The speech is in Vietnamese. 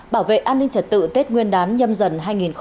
bảo vệ an ninh trật tự tết nguyên đán nhâm dần hai nghìn hai mươi bốn